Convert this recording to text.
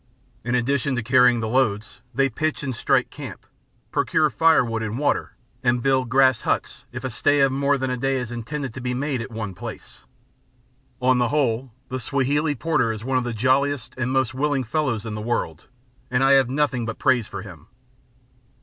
In addition to carrying the loads, they pitch and strike camp, procure firewood and water, and build grass huts if a stay of more than a day is intended to be made at one place. On the whole, the Swahili porter is one of the jolliest and most willing fellows in the world, and I have nothing but praise for him.